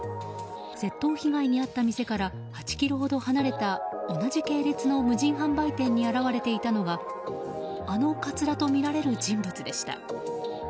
窃盗被害に遭った店から８ｋｍほど離れた同じ系列の無人販売店に現れていたのはあのかつらとみられる人物でした。